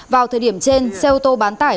vào thời điểm trên xe ô tô bán tải